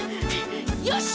よし！